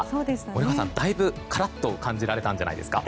森川さん、だいぶカラッと感じられたんじゃないですか？